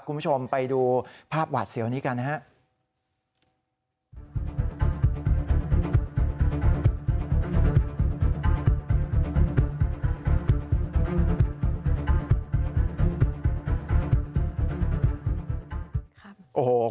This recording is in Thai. คุณผู้ชมไปดูภาพหวาดเสียวนี้กันนะครับ